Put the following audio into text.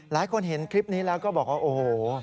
หลายคนเห็นคลิปนี้แล้วก็บอกว่าโอ้โห